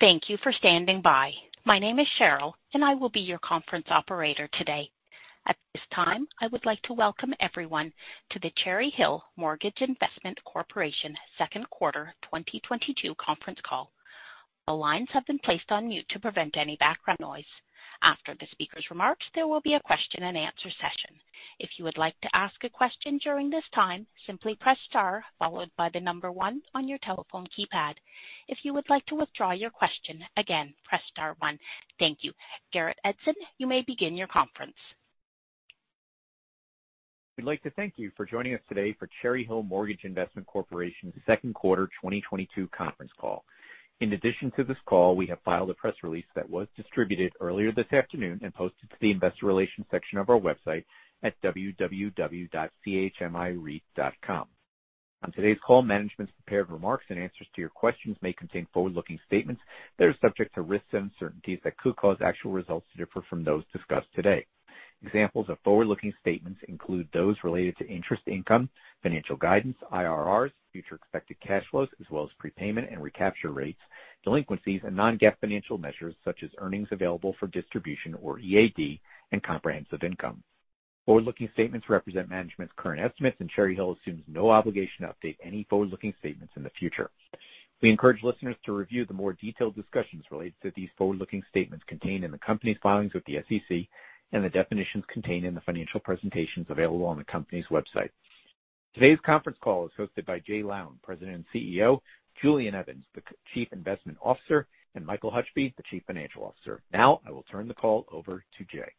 Thank you for standing by. My name is Cheryl, and I will be your conference operator today. At this time, I would like to welcome everyone to the Cherry Hill Mortgage Investment Corporation Q2 2022 Conference Call. All lines have been placed on mute to prevent any background noise. After the speaker's remarks, there will be a question-and-answer session. If you would like to ask a question during this time, simply press Star followed by the number 1 on your telephone keypad. If you would like to withdraw your question, again, press Star 1. Thank you. Garrett Edson, you may begin your conference. We'd like to thank you for joining us today for Cherry Hill Mortgage Investment Corporation's Q2 2022 Conference Call. In addition to this call, we have filed a press release that was distributed earlier this afternoon and posted to the Investor Relations section of our website at www.chmireit.com. On today's call, management's prepared remarks and answers to your questions may contain forward-looking statements that are subject to risks and uncertainties that could cause actual results to differ from those discussed today. Examples of forward-looking statements include those related to interest income, financial guidance, IRR, future expected cash flows, as well as prepayment and recapture rates, delinquencies and non-GAAP financial measures such as earnings available for distribution, or EAD, and comprehensive income. Forward-looking statements represent management's current estimates, and Cherry Hill assumes no obligation to update any forward-looking statements in the future. We encourage listeners to review the more detailed discussions related to these forward-looking statements contained in the company's filings with the SEC and the definitions contained in the financial presentations available on the company's website. Today's conference call is hosted by Jay Lown, President and CEO, Julian Evans, the Chief Investment Officer, and Michael Hutchby, the Chief Financial Officer. Now I will turn the call over to Jay.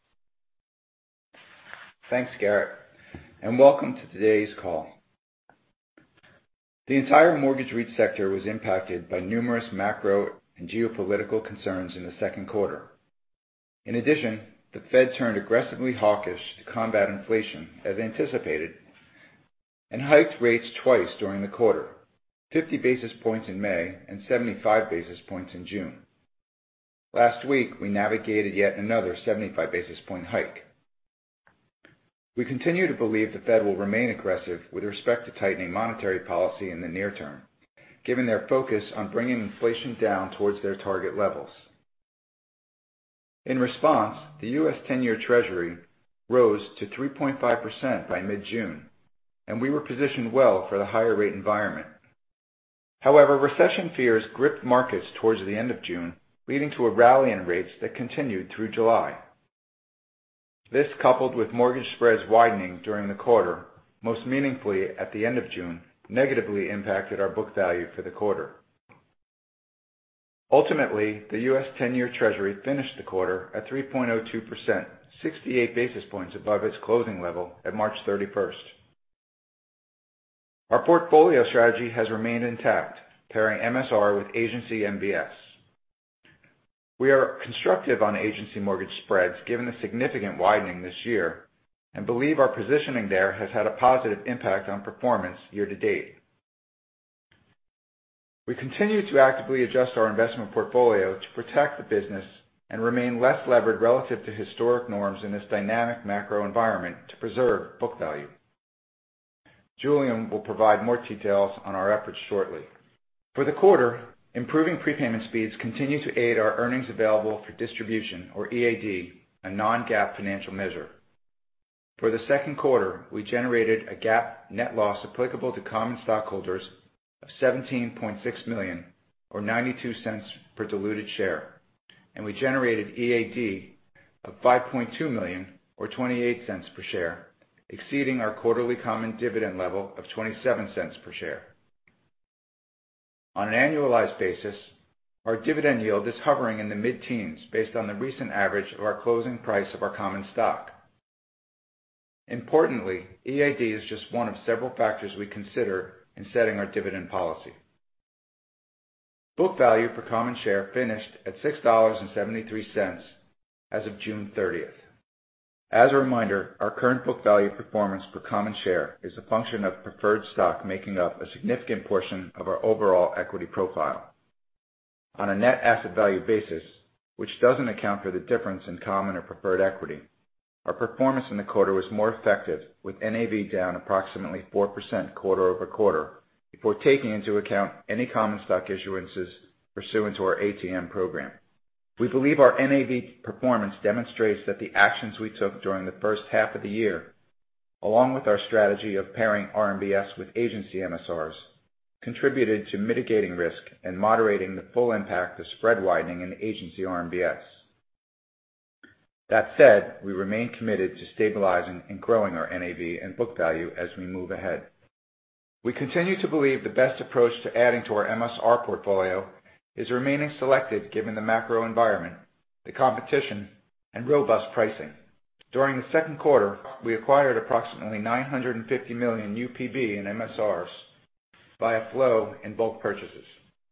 Thanks, Garrett, and welcome to today's call. The entire mortgage REIT sector was impacted by numerous macro and geopolitical concerns in the Q2. In addition, the Fed turned aggressively hawkish to combat inflation as anticipated, and hiked rates twice during the quarter, 50 basis points in May and 75 basis points in June. Last week, we navigated yet another 75 basis point hike. We continue to believe the Fed will remain aggressive with respect to tightening monetary policy in the near term, given their focus on bringing inflation down towards their target levels. In response, the U.S. ten-year Treasury rose to 3.5% by mid-June, and we were positioned well for the higher rate environment. However, recession fears gripped markets towards the end of June, leading to a rally in rates that continued through July. This, coupled with mortgage spreads widening during the quarter, most meaningfully at the end of June, negatively impacted our book value for the quarter. Ultimately, the U.S. 10-year Treasury finished the quarter at 3.02%, 68 basis points above its closing level at March 31. Our portfolio strategy has remained intact, pairing MSR with Agency MBS. We are constructive on agency mortgage spreads given the significant widening this year and believe our positioning there has had a positive impact on performance year to date. We continue to actively adjust our investment portfolio to protect the business and remain less levered relative to historic norms in this dynamic macro environment to preserve book value. Julian will provide more details on our efforts shortly. For the quarter, improving prepayment speeds continue to aid our earnings available for distribution, or EAD, a non-GAAP financial measure. For the Q2, we generated a GAAP net loss applicable to common stockholders of $17.6 million or $0.92 per diluted share, and we generated EAD of $5.2 million or $0.28 per share, exceeding our quarterly common dividend level of $0.27 per share. On an annualized basis, our dividend yield is hovering in the mid-teens based on the recent average of our closing price of our common stock. Importantly, EAD is just one of several factors we consider in setting our dividend policy. Book value per common share finished at $6.73 as of June 30. As a reminder, our current book value performance per common share is a function of preferred stock making up a significant portion of our overall equity profile. On a net asset value basis, which doesn't account for the difference in common or preferred equity, our performance in the quarter was more effective, with NAV down approximately 4% quarter-over-quarter before taking into account any common stock issuances pursuant to our ATM program. We believe our NAV performance demonstrates that the actions we took during the first half of the year, along with our strategy of pairing RMBS with Agency MSRs, contributed to mitigating risk and moderating the full impact of spread widening in Agency RMBS. That said, we remain committed to stabilizing and growing our NAV and book value as we move ahead. We continue to believe the best approach to adding to our MSR portfolio is remaining selective given the macro environment, the competition and robust pricing. During the Q2, we acquired approximately $950 million UPB in MSRs via flow and bulk purchases.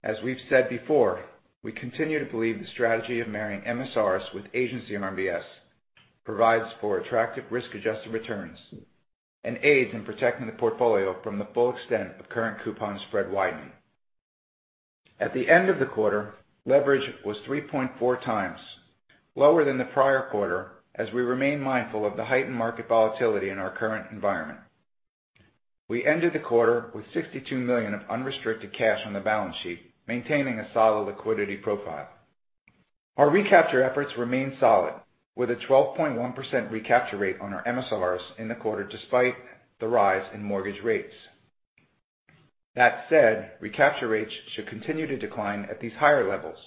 As we've said before, we continue to believe the strategy of marrying MSRs with agency RMBS provides for attractive risk-adjusted returns and aids in protecting the portfolio from the full extent of current coupon spread widening. At the end of the quarter, leverage was 3.4x lower than the prior quarter as we remain mindful of the heightened market volatility in our current environment. We ended the quarter with $62 million of unrestricted cash on the balance sheet, maintaining a solid liquidity profile. Our recapture efforts remain solid, with a 12.1% recapture rate on our MSRs in the quarter despite the rise in mortgage rates. That said, recapture rates should continue to decline at these higher levels,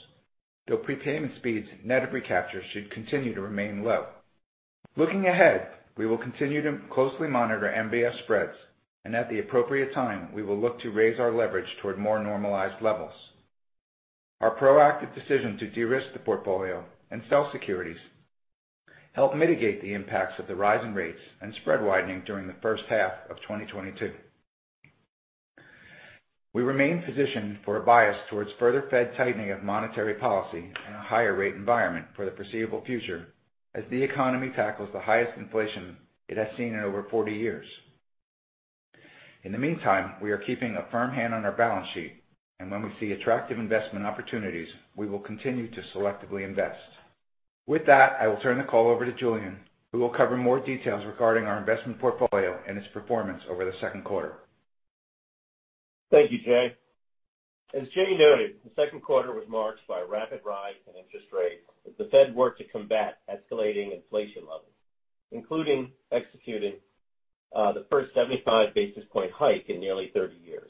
though prepayment speeds net of recapture should continue to remain low. Looking ahead, we will continue to closely monitor MBS spreads and at the appropriate time, we will look to raise our leverage toward more normalized levels. Our proactive decision to de-risk the portfolio and sell securities helped mitigate the impacts of the rise in rates and spread widening during the first half of 2022. We remain positioned for a bias towards further Fed tightening of monetary policy and a higher rate environment for the foreseeable future as the economy tackles the highest inflation it has seen in over 40 years. In the meantime, we are keeping a firm hand on our balance sheet and when we see attractive investment opportunities, we will continue to selectively invest. With that, I will turn the call over to Julian, who will cover more details regarding our investment portfolio and its performance over the Q2. Thank you, Jay. As Jay noted, the Q2 was marked by a rapid rise in interest rates as the Fed worked to combat escalating inflation levels, including executing the first 75 basis point hike in nearly 30 years.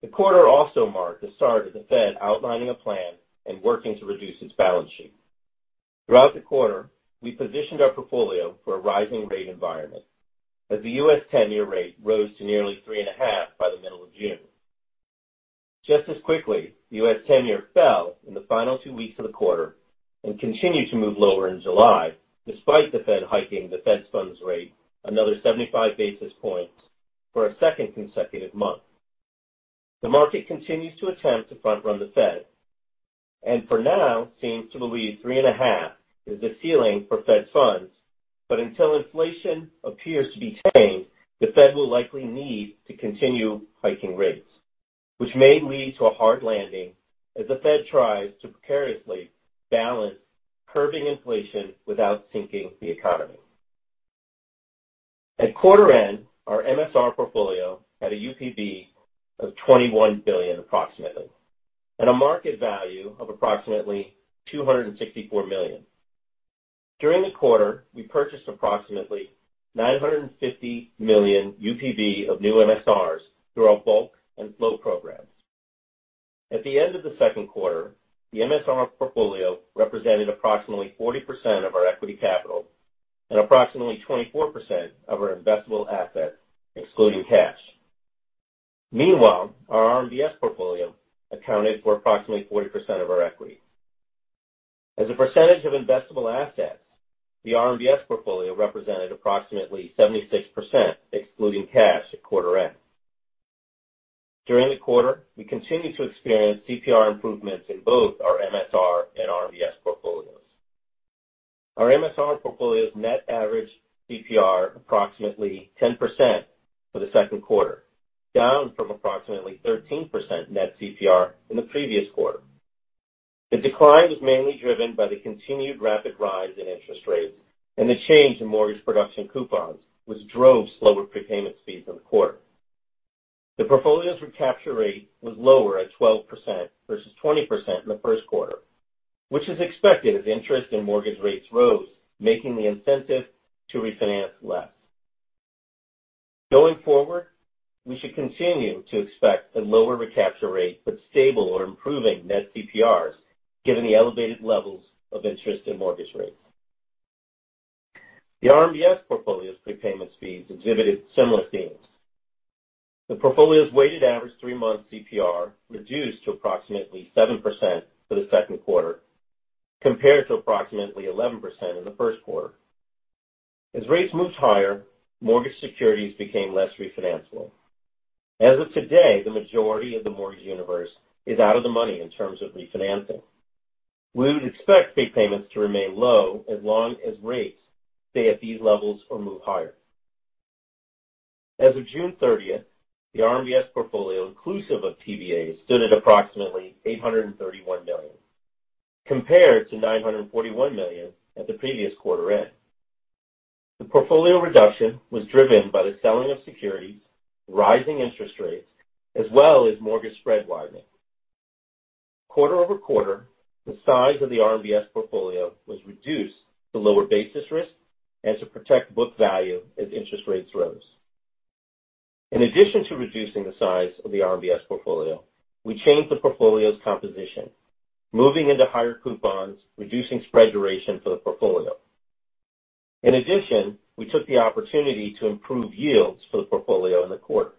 The quarter also marked the start of the Fed outlining a plan and working to reduce its balance sheet. Throughout the quarter, we positioned our portfolio for a rising rate environment as the U.S. 10-year rate rose to nearly 3.5 by the middle of June. Just as quickly, U.S. 10-year fell in the final two weeks of the quarter and continued to move lower in July, despite the Fed hiking the federal funds rate another 75 basis points for a second consecutive month. The market continues to attempt to front run the Fed, and for now seems to believe 3.5 is the ceiling for Fed funds. Until inflation appears to be tamed, the Fed will likely need to continue hiking rates, which may lead to a hard landing as the Fed tries to precariously balance curbing inflation without sinking the economy. At quarter end, our MSR portfolio had a UPB of approximately $21 billion, and a market value of approximately $264 million. During the quarter, we purchased approximately $950 million UPB of new MSRs through our bulk and flow programs. At the end of the Q2, the MSR portfolio represented approximately 40% of our equity capital and approximately 24% of our investable assets excluding cash. Meanwhile, our RMBS portfolio accounted for approximately 40% of our equity. As a percentage of investable assets, the RMBS portfolio represented approximately 76% excluding cash at quarter end. During the quarter, we continued to experience CPR improvements in both our MSR and RMBS portfolios. Our MSR portfolio's net average CPR was approximately 10% for the Q2, down from approximately 13% net CPR in the previous quarter. The decline was mainly driven by the continued rapid rise in interest rates and the change in mortgage production coupons, which drove slower prepayment speeds in the quarter. The portfolio's recapture rate was lower at 12% versus 20% in the Q1, which is expected as interest rates rose, making the incentive to refinance less. Going forward, we should continue to expect a lower recapture rate, but stable or improving net CPRs given the elevated levels of interest rates. The RMBS portfolio's prepayment speeds exhibited similar themes. The portfolio's weighted average three-month CPR reduced to approximately 7% for the Q2, compared to approximately 11% in the Q1. As rates moved higher, mortgage securities became less refinanceable. As of today, the majority of the mortgage universe is out of the money in terms of refinancing. We would expect prepayments to remain low as long as rates stay at these levels or move higher. As of June 30th, the RMBS portfolio, inclusive of TBA, stood at approximately $831 million, compared to $941 million at the previous quarter end. The portfolio reduction was driven by the selling of securities, rising interest rates, as well as mortgage spread widening. Quarter-over-quarter, the size of the RMBS portfolio was reduced to lower basis risk and to protect book value as interest rates rose. In addition to reducing the size of the RMBS portfolio, we changed the portfolio's composition, moving into higher coupons, reducing spread duration for the portfolio. In addition, we took the opportunity to improve yields for the portfolio in the quarter.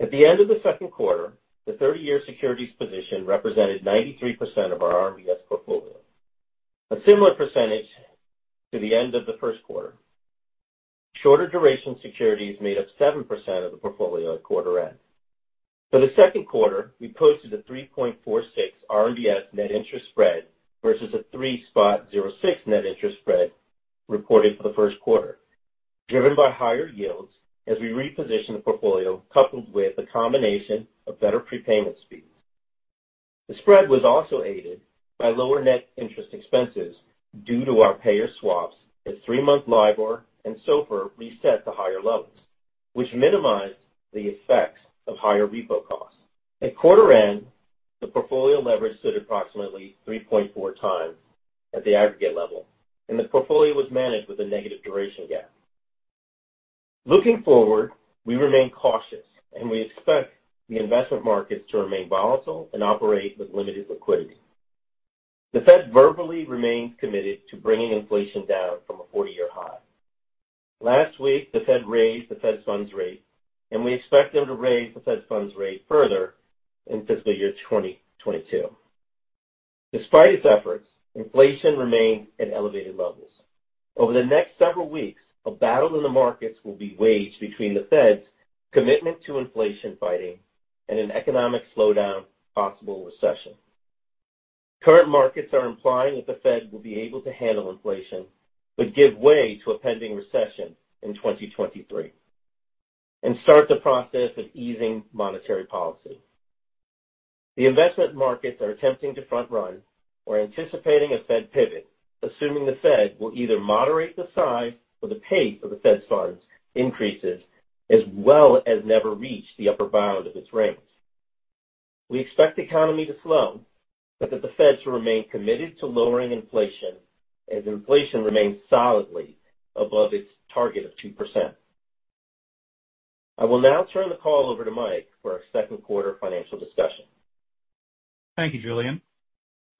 At the end of the Q2, the 30-year securities position represented 93% of our RMBS portfolio, a similar percentage to the end of the Q1. Shorter duration securities made up 7% of the portfolio at quarter end. For the Q2, we posted a 3.46 RMBS net interest spread versus a 3.06 net interest spread reported for the Q1, driven by higher yields as we repositioned the portfolio coupled with a combination of better prepayment speeds. The spread was also aided by lower net interest expenses due to our payer swaps as three-month LIBOR and SOFR reset to higher levels, which minimized the effects of higher repo costs. At quarter end, the portfolio leverage stood approximately 3.4 times at the aggregate level, and the portfolio was managed with a negative duration gap. Looking forward, we remain cautious, and we expect the investment markets to remain volatile and operate with limited liquidity. The Fed verbally remains committed to bringing inflation down from a 40-year high. Last week, the Fed raised the Fed funds rate, and we expect them to raise the Fed funds rate further in fiscal year 2022. Despite its efforts, inflation remains at elevated levels. Over the next several weeks, a battle in the markets will be waged between the Fed's commitment to inflation fighting and an economic slowdown, possible recession. Current markets are implying that the Fed will be able to handle inflation, but give way to a pending recession in 2023 and start the process of easing monetary policy. The investment markets are attempting to front run or anticipating a Fed pivot, assuming the Fed will either moderate the size or the pace of the Fed's funds increases as well as never reach the upper bound of its range. We expect the economy to slow, but that the Fed should remain committed to lowering inflation as inflation remains solidly above its target of 2%. I will now turn the call over to Mike for our Q2 financial discussion. Thank you, Julian.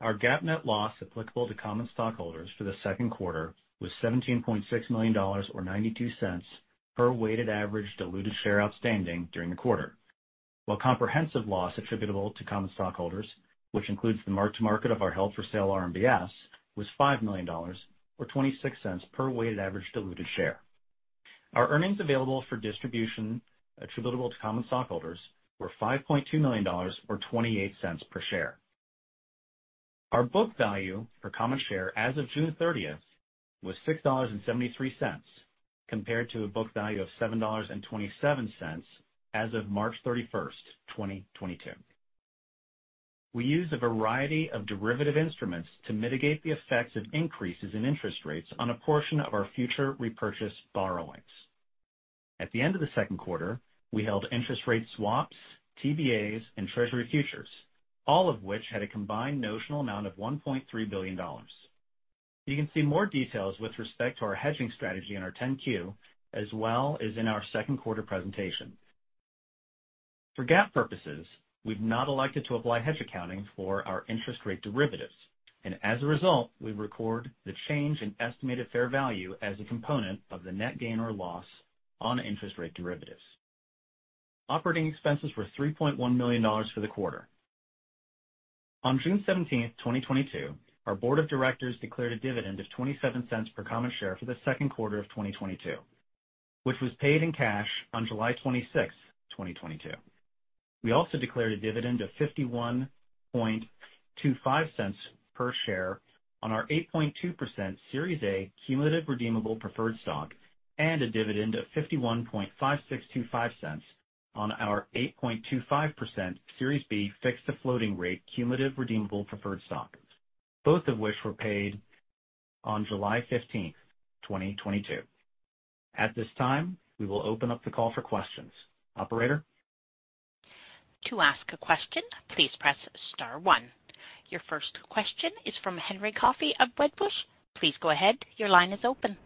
Our GAAP net loss applicable to common stockholders for the Q2 was $17.6 million or $0.92 per weighted average diluted share outstanding during the quarter. While comprehensive loss attributable to common stockholders, which includes the mark to market of our held-for-sale RMBS, was $5 million or $0.26 per weighted average diluted share. Our earnings available for distribution attributable to common stockholders were $5.2 million or $0.28 per share. Our book value for common share as of June 30th was $6.73, compared to a book value of $7.27 as of March 31st, 2022. We use a variety of derivative instruments to mitigate the effects of increases in interest rates on a portion of our future repurchase borrowings. At the end of the Q2, we held interest rate swaps, TBAs, and Treasury futures, all of which had a combined notional amount of $1.3 billion. You can see more details with respect to our hedging strategy in our 10-Q as well as in our Q2 presentation. For GAAP purposes, we've not elected to apply hedge accounting for our interest rate derivatives, and as a result, we record the change in estimated fair value as a component of the net gain or loss on interest rate derivatives. Operating expenses were $3.1 million for the quarter. On June 17th, 2022, our board of directors declared a dividend of $0.27 per common share for the Q2 of 2022, which was paid in cash on July 26th, 2022. We also declared a dividend of $0.5125 per share on our 8.2% Series A Cumulative Redeemable Preferred Stock and a dividend of $0.515625 per share on our 8.25% Series B Fixed-to-Floating Rate Cumulative Redeemable Preferred Stock, both of which were paid on July 15th, 2022. At this time, we will open up the call for questions. Operator? To ask a question, please press Star 1. Your first question is from Henry Coffey of Wedbush. Please go ahead. Your line is open.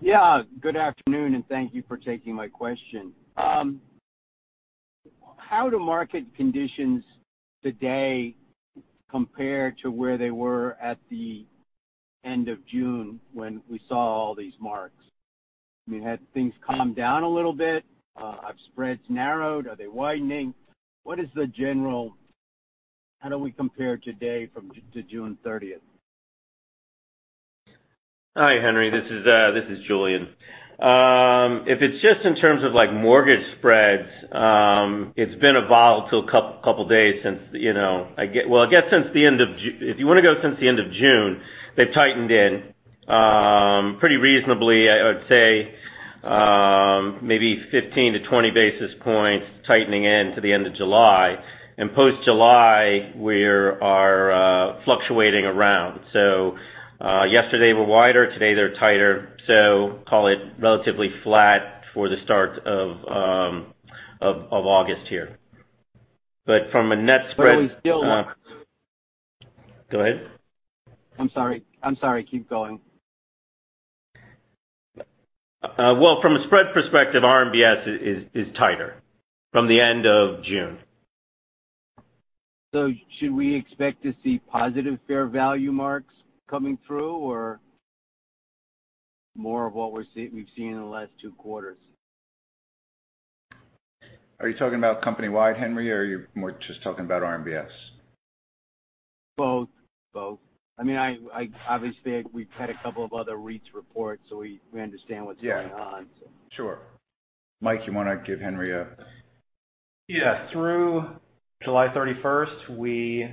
Yeah, good afternoon, and thank you for taking my question. How do market conditions today compare to where they were at the end of June when we saw all these marks? I mean, have things calmed down a little bit? Have spreads narrowed? Are they widening? What is the general. How do we compare today from June 30th? Hi, Henry. This is Julian. If it's just in terms of like mortgage spreads, it's been a volatile couple days since, you know, well, I guess since the end of June, they've tightened in pretty reasonably. I would say maybe 15-20 basis points tightening in to the end of July. Post-July, we're fluctuating around. Yesterday were wider, today they're tighter, call it relatively flat for the start of August here. But from a net spread- Are we still? Go ahead. I'm sorry. I'm sorry, keep going. From a spread perspective, RMBS is tighter from the end of June. Should we expect to see positive fair value marks coming through or more of what we've seen in the last two quarters? Are you talking about company-wide, Henry, or you're more just talking about RMBS? Both. I mean, obviously we've had a couple of other REITs report, so we understand what's going on, so. Sure. Mike, you wanna give Henry a Yeah. Through July 31st, we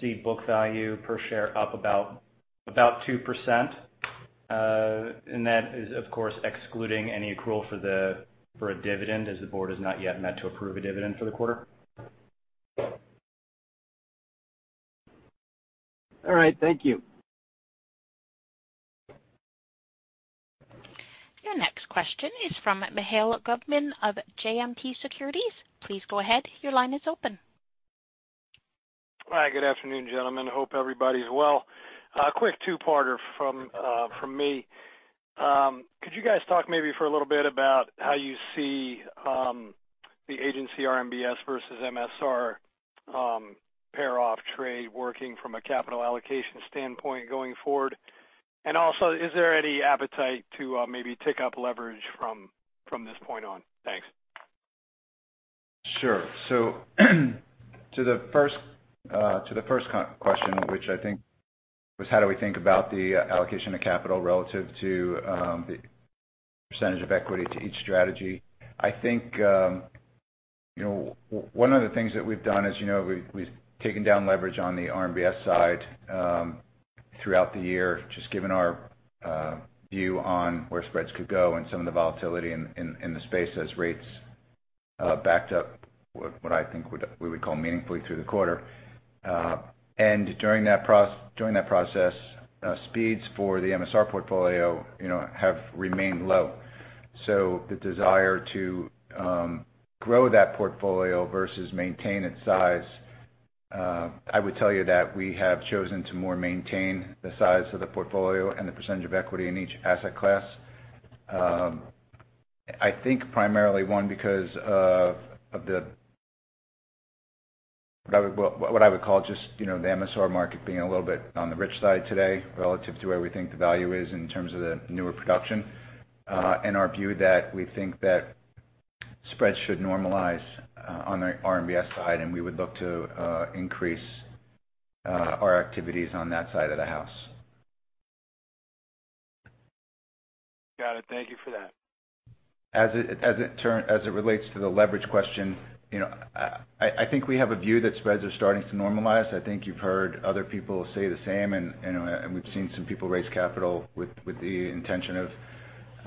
see book value per share up about 2%. That is, of course, excluding any accrual for a dividend as the board has not yet met to approve a dividend for the quarter. All right. Thank you. Your next question is from Mikhail Goberman of JMP Securities. Please go ahead. Your line is open. Hi. Good afternoon, gentlemen. Hope everybody is well. Quick two-parter from me. Could you guys talk maybe for a little bit about how you see the Agency RMBS versus MSR pair off trade working from a capital allocation standpoint going forward? Also, is there any appetite to maybe take up leverage from this point on? Thanks. Sure. To the first question, which I think was how do we think about the allocation of capital relative to the percentage of equity to each strategy. I think you know one of the things that we've done is you know we've taken down leverage on the RMBS side throughout the year just given our view on where spreads could go and some of the volatility in the space as rates backed up what I think we would call meaningfully through the quarter. During that process speeds for the MSR portfolio you know have remained low. The desire to grow that portfolio versus maintain its size, I would tell you that we have chosen to more maintain the size of the portfolio and the percentage of equity in each asset class. I think primarily one because of what I would call just, you know, the MSR market being a little bit on the rich side today relative to where we think the value is in terms of the newer production. In our view that we think that spreads should normalize on the RMBS side, and we would look to increase our activities on that side of the house. Got it. Thank you for that. As it relates to the leverage question, you know, I think we have a view that spreads are starting to normalize. I think you've heard other people say the same, you know, and we've seen some people raise capital with the intention of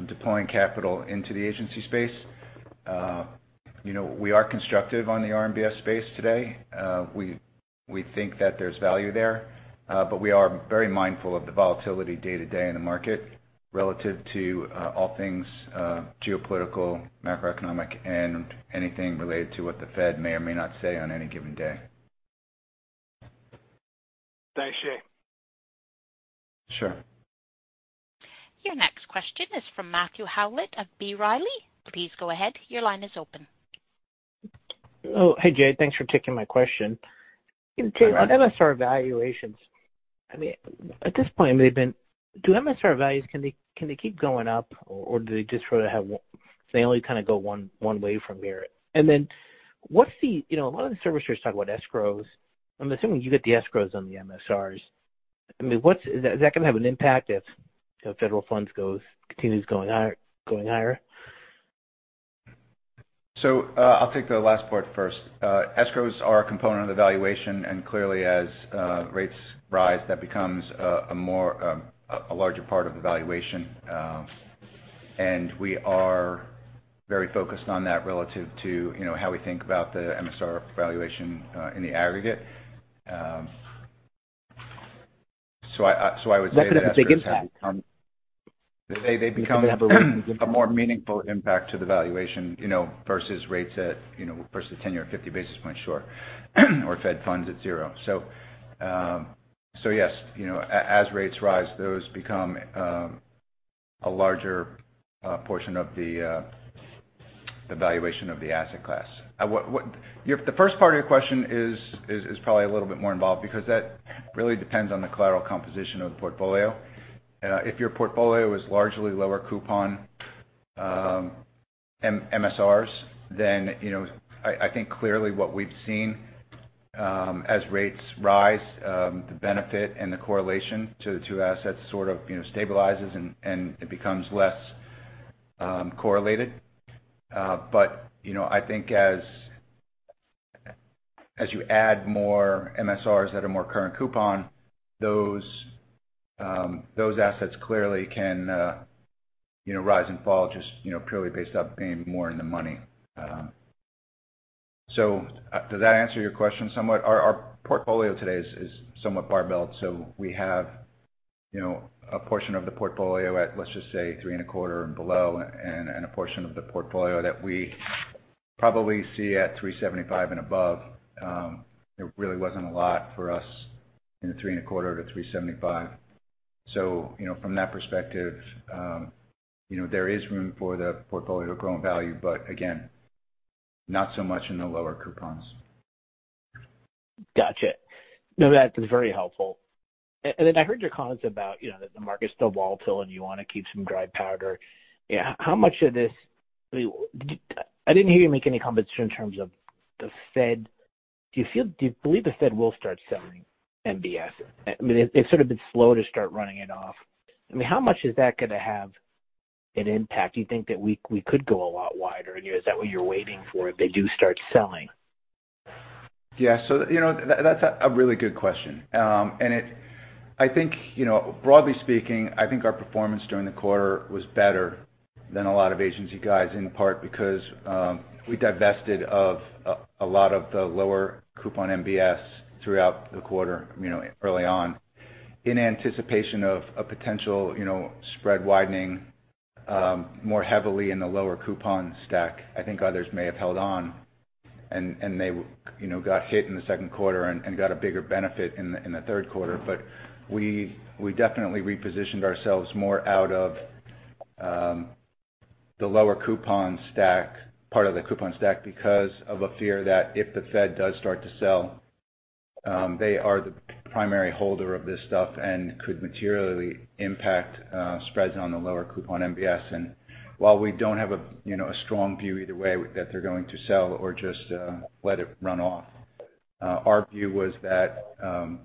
deploying capital into the agency space. You know, we are constructive on the RMBS space today. We think that there's value there, but we are very mindful of the volatility day-to-day in the market relative to all things, geopolitical, macroeconomic, and anything related to what the Fed may or may not say on any given day. Thanks, Jay. Sure. Your next question is from Matthew Howlett of B. Riley. Please go ahead. Your line is open. Oh, hey, Jay. Thanks for taking my question. All right. On MSR valuations, I mean, at this point, I mean, do MSR values, can they keep going up or do they just sort of have one, they only kinda go one way from here? What's the, you know, a lot of the servicers talk about escrows. I'm assuming you get the escrows on the MSRs. I mean, is that gonna have an impact if, you know, federal funds goes, continues going high, going higher? I'll take the last part first. Escrows are a component of the valuation, and clearly as rates rise, that becomes a larger part of the valuation. We are very focused on that relative to, you know, how we think about the MSR valuation in the aggregate. I would say that escrows have become- That could have a big impact. They become. Could have an impact. A more meaningful impact to the valuation, you know, versus rates at, you know, versus ten-year 50 basis points short, or Fed funds at zero. Yes, you know, as rates rise, those become a larger portion of the valuation of the asset class. What, the first part of your question is probably a little bit more involved because that really depends on the collateral composition of the portfolio. If your portfolio is largely lower coupon MSRs, then, you know, I think clearly what we've seen, as rates rise, the benefit and the correlation to the two assets sort of, you know, stabilizes and it becomes less correlated. You know, I think as you add more MSRs that are more current coupon, those assets clearly can, you know, rise and fall just, you know, purely based on being more in the money. Does that answer your question somewhat? Our portfolio today is somewhat barbelled. We have, you know, a portion of the portfolio at, let's just say, 3.25% and below, and a portion of the portfolio that we probably see at 3.75% and above. There really wasn't a lot for us in the 3.25%-3.75%. You know, from that perspective, you know, there is room for the portfolio to grow in value, but again, not so much in the lower coupons. Gotcha. No, that's very helpful. Then I heard your comments about, you know, that the market's still volatile and you wanna keep some dry powder. Yeah. How much of this, I mean, I didn't hear you make any comments in terms of the Fed. Do you feel, do you believe the Fed will start selling MBS? I mean, they've sort of been slow to start running it off. I mean, how much is that gonna have an impact? Do you think that we could go a lot wider? Is that what you're waiting for if they do start selling? Yeah. You know, that's a really good question. I think, you know, broadly speaking, I think our performance during the quarter was better than a lot of agency guys, in part because we divested of a lot of the lower coupon MBS throughout the quarter, you know, early on in anticipation of a potential, you know, spread widening more heavily in the lower coupon stack. I think others may have held on and they you know, got hit in the Q2 and got a bigger benefit in the Q3. We definitely repositioned ourselves more out of the lower coupon stack, part of the coupon stack because of a fear that if the Fed does start to sell, they are the primary holder of this stuff and could materially impact spreads on the lower coupon MBS. While we don't have a you know a strong view either way that they're going to sell or just let it run off, our view was that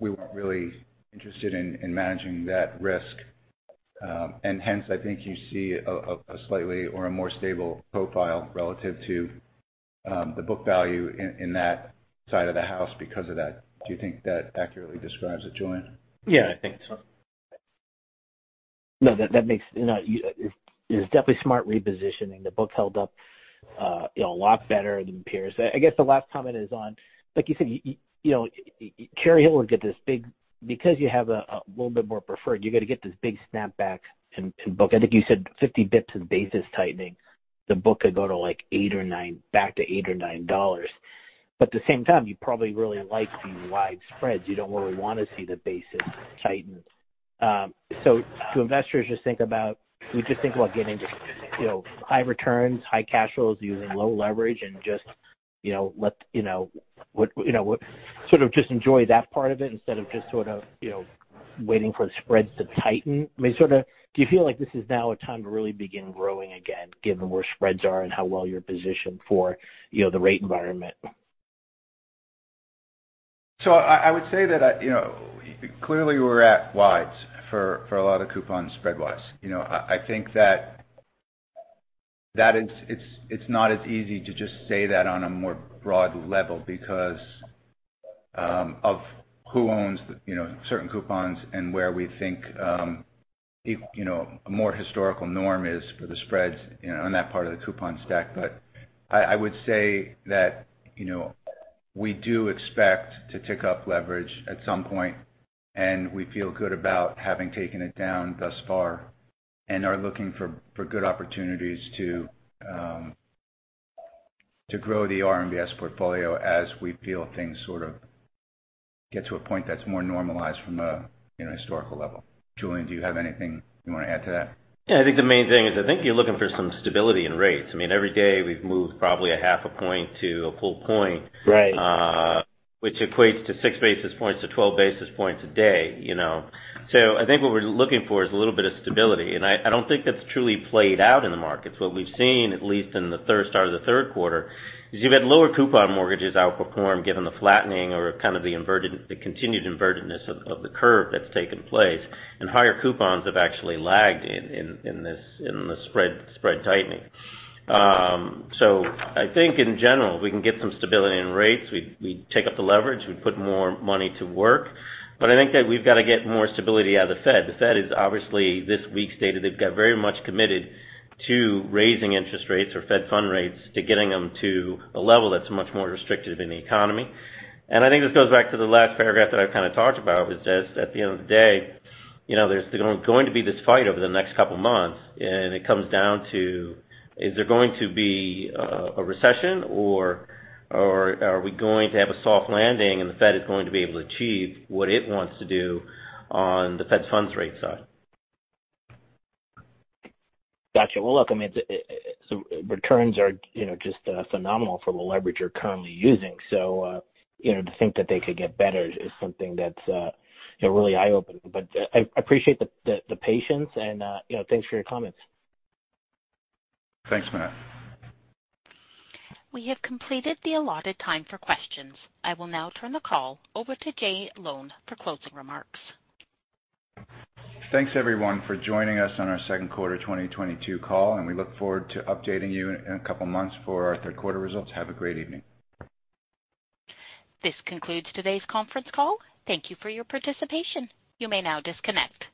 we weren't really interested in managing that risk. And hence, I think you see a slightly more stable profile relative to the book value in that side of the house because of that. Do you think that accurately describes it, Julian? Yeah, I think so. No, that makes. You know, it's definitely smart repositioning. The book held up, you know, a lot better than peers. I guess the last comment is on, like you said, you know, Cherry Hill will get this big. Because you have a little bit more preferred, you're gonna get this big snapback in book. I think you said 50 basis points in basis tightening. The book could go to, like, 8 or 9 back to $8-$9. At the same time, you probably really like these wide spreads. You don't really wanna see the basis tighten. You just think about getting, you know, high returns, high cash flows using low leverage and just, you know, let you know. Sort of just enjoy that part of it instead of just sort of, you know, waiting for the spreads to tighten? I mean, sort of, do you feel like this is now a time to really begin growing again given where spreads are and how well you're positioned for, you know, the rate environment? I would say that. You know, clearly we're at wides for a lot of coupons spread wise. You know, I think that is it's not as easy to just say that on a more broad level because of who owns, you know, certain coupons and where we think, you know, a more historical norm is for the spreads, you know, on that part of the coupon stack. I would say that, you know, we do expect to tick up leverage at some point, and we feel good about having taken it down thus far and are looking for good opportunities to grow the RMBS portfolio as we feel things sort of get to a point that's more normalized from a historical level. Julian, do you have anything you wanna add to that? Yeah. I think the main thing is you're looking for some stability in rates. I mean, every day, we've moved probably 0.5 point-1 point. Right which equates to 6 basis points to 12 basis points a day, you know. I think what we're looking for is a little bit of stability, and I don't think that's truly played out in the markets. What we've seen, at least in the start of the Q3, is you've had lower coupon mortgages outperform given the flattening or kind of the continued inverted-ness of the curve that's taken place, and higher coupons have actually lagged in this spread tightening. I think in general, we can get some stability in rates. We take up the leverage, we put more money to work. I think that we've gotta get more stability out of the Fed. The Fed is obviously this week stated they've got very much committed to raising interest rates or Fed funds rate to getting them to a level that's much more restrictive in the economy. I think this goes back to the last paragraph that I've kinda talked about, which is at the end of the day, you know, there's going to be this fight over the next couple months, and it comes down to, is there going to be a recession or are we going to have a soft landing and the Fed is going to be able to achieve what it wants to do on the Fed funds rate side? Gotcha. Well, look, I mean, returns are, you know, just phenomenal for the leverage you're currently using. You know, to think that they could get better is something that's, you know, really eye-opening. I appreciate the patience and, you know, thanks for your comments. Thanks, Matthew. We have completed the allotted time for questions. I will now turn the call over to Jay Lown for closing remarks. Thanks everyone for joining us on our Q2 2022 call, and we look forward to updating you in a couple months for our Q3 results. Have a great evening. This concludes today's conference call. Thank you for your participation. You may now disconnect.